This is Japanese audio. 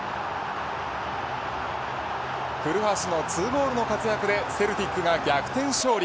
古橋の２ゴールの活躍でセルティックが逆転勝利。